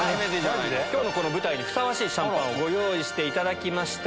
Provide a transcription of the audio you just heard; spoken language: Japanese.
きょうのこの舞台にふさわしいシャンパンをご用意していただきました。